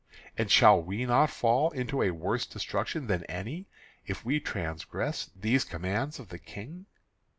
And shall we not fall into a worse destruction than any, if we transgress these commands of the King?